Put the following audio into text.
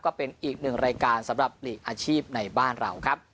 ก็เป็นอีกหนึ่งรายการสำหรับหลีกอาชีพในบ้านเราครับ